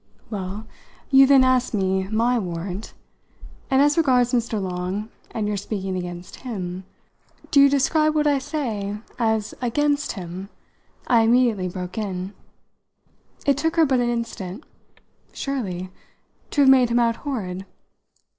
"Well, you then asked me my warrant. And as regards Mr. Long and your speaking against him " "Do you describe what I say as 'against' him?" I immediately broke in. It took her but an instant. "Surely to have made him out horrid."